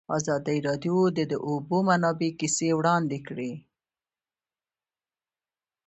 ازادي راډیو د د اوبو منابع کیسې وړاندې کړي.